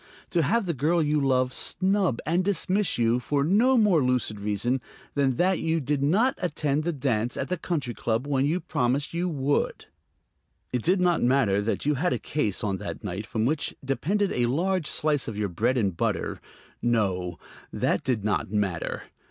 To have the girl you love snub and dismiss you for no more lucid reason than that you did not attend the dance at the Country Club when you promised you would! It did not matter that you had a case on that night from which depended a large slice of your bread and butter; no, that did not matter.